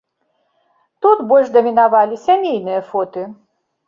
Тут больш дамінавалі сямейныя фоты.